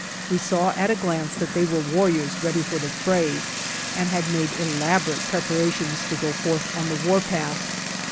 We saw at a glance that they were warriors ready for the fray, and had made elaborate prepara tions to go forth on the war path.